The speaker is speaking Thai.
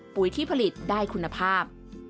ปุ๋ยที่ผลิตได้คุณภาพ